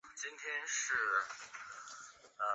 兰心大戏院是上海乃至中国现代戏剧的起点。